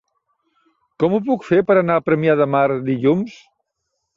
Com ho puc fer per anar a Premià de Mar dilluns?